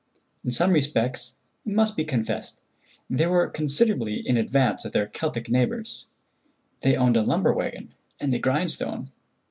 In some respects, it must be confessed, they were considerably in advance of their Celtic neighbors—they owned a lumber wagon and a grindstone.